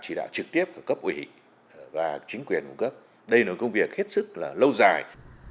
chỉ đạo trực tiếp của cấp ủy và chính quyền cung cấp đây là công việc hết sức là lâu dài